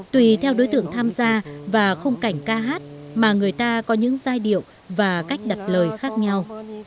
tùy theo đối tượng tham gia và khung cảnh ca hát mà người ta có những giai điệu và cách đặt lời khác nhau